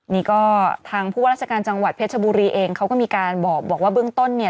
นี่ก็ทางผู้ว่าราชการจังหวัดเพชรบุรีเองเขาก็มีการบอกว่าเบื้องต้นเนี่ย